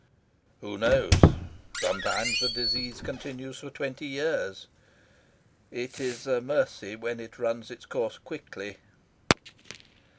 "Who knows? Sometimes the disease continues for twenty years. It is a mercy when it runs its course quickly."